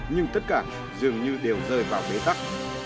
nhưng tất cả dường như đều rơi vào bế tắc